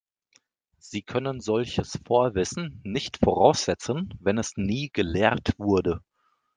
Sie können solches Vorwissen nicht voraussetzen, wenn es nie gelehrt wurde.